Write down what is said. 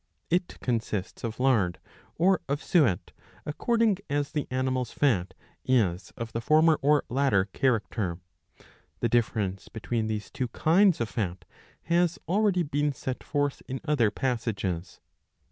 It consists of lard or of suet, according as the animal's fat is of the former or latter character. The difference between these two kinds of fat has already been set forth in other passages.